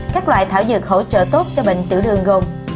các loại thảo dược hỗ trợ tốt cho bệnh tiểu đường gồm